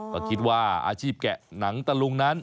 ก็คิดว่าอาชีพแกะหนังตะลุงนั้น